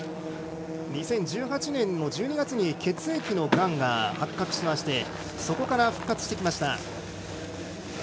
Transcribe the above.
２０１８年１２月に血液のがんが発覚しましてそこから復活してきました。